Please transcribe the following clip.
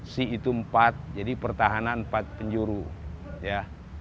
si itu empat jadi pertahanan empat penjuru ya